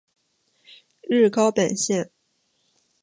日高本线。